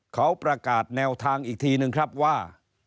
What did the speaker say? เขาประกาศแนวทางอีกทีนึงครับว่า